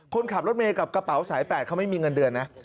คนขับรถเมย์กับกระเป๋าสาย๘เขาไม่มีเงินเดือนนะ